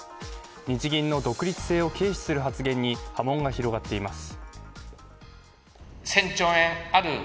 日銀の独立性を軽視する発言に波紋が広がっています。